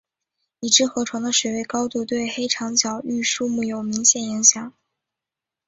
已知河床的水位高度对黑长脚鹬数目有明显影响。